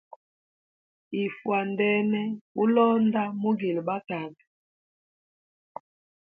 Ifwandene ulonda mugile batata.